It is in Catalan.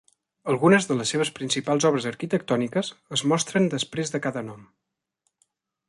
Algunes de les seves principals obres arquitectòniques es mostren després de cada nom.